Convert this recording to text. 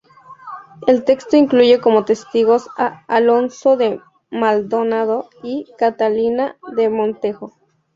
El texto incluye como testigos a Alonso de Maldonado y Catalina de Montejo.